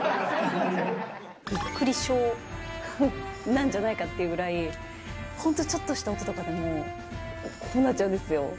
びっくり症なんじゃないかっていうくらい、本当、ちょっとした音とかでも、こうなっちゃうんですよ。